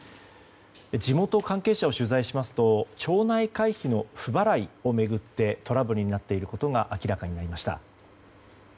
地元関係者を取材しますと町内会費の不払いを巡ってトラブルになっていることが明らかになりました。